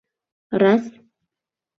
«Раз!